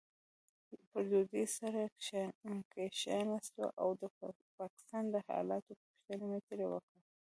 پر ډوډۍ سره کښېناستو او د پاکستان د حالاتو پوښتنې مې ترې وکړې.